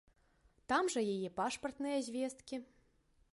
Там жа яе пашпартныя звесткі.